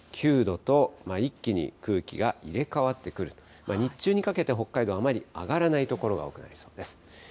９度と、一気に空気が入れ代わってくる、日中にかけて北海道あまり上がらない所が多くなりそうです。